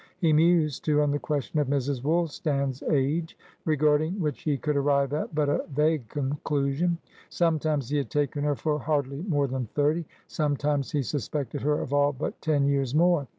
He mused, too, on the question of Mrs. Woolstan's age, regarding which he could arrive at but a vague conclusion; sometimes he had taken her for hardly more than thirty, sometimes he suspected her of all but ten years more.